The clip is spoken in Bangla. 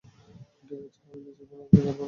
ঠিকাছে, আমি নিজেকে পুনরাবৃত্তি করবো না।